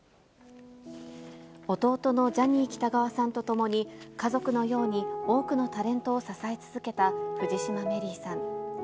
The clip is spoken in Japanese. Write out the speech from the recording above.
弟のジャニー喜多川さんとともに、家族のように多くのタレントを支え続けた藤島メリーさん。